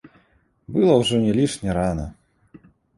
Было ўжо не лішне рана.